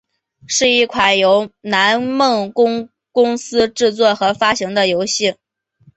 是一款由南梦宫公司制作和发行的游戏。